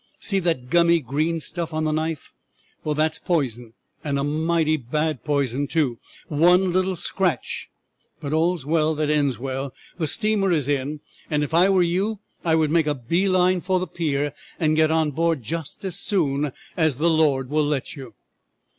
See that gummy green stuff on the knife? Well, that is poison, and a mighty bad poison, too; one little scratch But all's well that ends well; the steamer is in, and if I were you I would make a bee line for the pier, and get on board just as soon as the Lord will let you!"